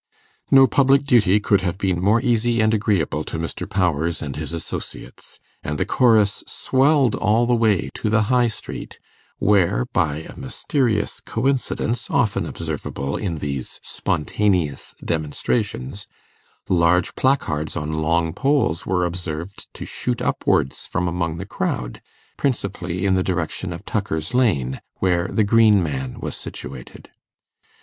No public duty could have been more easy and agreeable to Mr. Powers and his associates, and the chorus swelled all the way to the High Street, where, by a mysterious coincidence often observable in these spontaneous 'demonstrations', large placards on long poles were observed to shoot upwards from among the crowd, principally in the direction of Tucker's Lane, where the Green Man was situated.